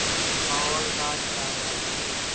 محلول کا ارتکاز